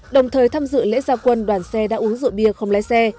đồng thời tham dự lễ gia quân đoàn xe đã uống rượu bia không lái xe